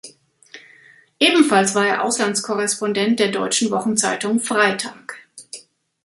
Ebenfalls war er Auslandskorrespondent der deutschen Wochenzeitung "Freitag".